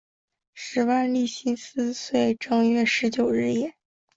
时万历辛己岁正月十九日也。